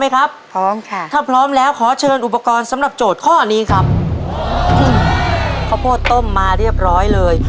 ข้าวโพธิสร้อมมาเรียบร้อยเลย